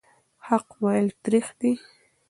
حق ویل تریخ دي.